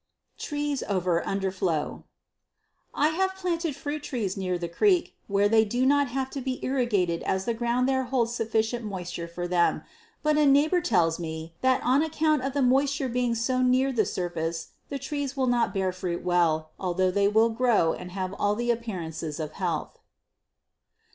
Trees Over Underflow. I have planted fruit trees near the creek, where they do not have to be irrigated as the ground there holds sufficient moisture for them, but a neighbor tells me that on account of the moisture being so near the surface the trees will not bear fruit well, although they will grow and have all the appearances of health.